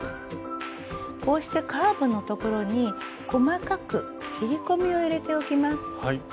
こうしてカーブの所に細かく切り込みを入れておきます。